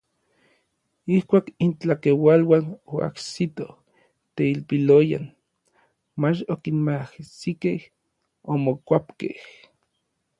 Ijkuak intlakeualuan oajsitoj teilpiloyan, mach okinmajsikej, omokuapkej.